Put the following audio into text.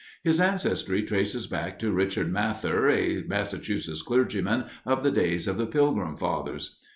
His ancestry traces back to Richard Mather, a Massachusetts clergyman of the days of the Pilgrim Fathers.